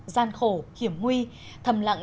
gian khổ hiểm nguy thầm lặng